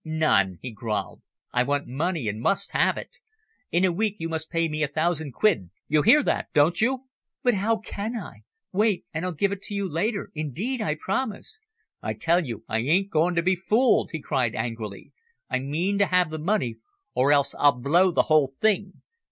"None," he growled. "I want money and must have it. In a week you must pay me a thousand quid you hear that, don't you?" "But how can I? Wait and I'll give it to you later indeed, I promise." "I tell you I ain't going to be fooled," he cried angrily. "I mean to have the money, or else I'll blow the whole thing.